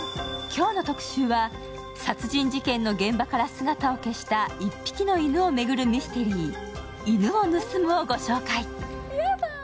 今日の特集は、殺人事件の現場から姿を消した１匹の犬を巡るミステリー「犬を盗む」をご紹介。